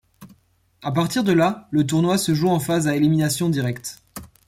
A partir de là, le tournoi se joue en phase à élimination directe.